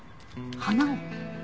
花を？